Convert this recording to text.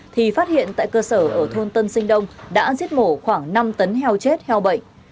thì phát hiện tại cơ sở ở thôn tân sinh đông đã giết mổ khoảng năm tấn heo chết heo bệnh